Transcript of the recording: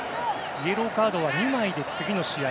イエローカードは２枚で次の試合